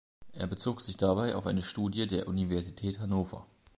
Er bezog sich dabei auf eine Studie der Universität Hannover.